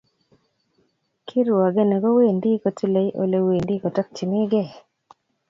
Kirwogeni kowendi kotilei ole wendi kotokchinigei.